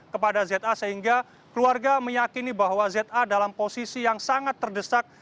kepada za sehingga keluarga meyakini bahwa za dalam posisi yang sangat terdesak